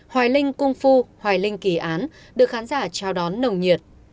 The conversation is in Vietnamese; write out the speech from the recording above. hoài linh cung phu hoài linh kỳ án được khán giả chào đón nồng nhiệt